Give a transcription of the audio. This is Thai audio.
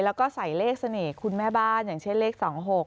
แล้วก็ใส่เลขเสน่ห์คุณแม่บ้านอย่างเช่นเลข๒๖